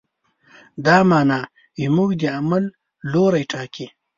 دا معنی زموږ د عمل لوری ټاکي.